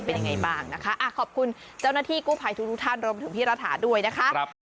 เป็นยังไงบ้างนะคะขอบคุณเจ้าหน้าที่กู้ภัยทุกท่านรวมถึงพี่รัฐาด้วยนะคะ